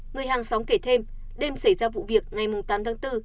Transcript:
người hàng xóm kể thêm đêm xảy ra vụ việc ngày tám tháng bốn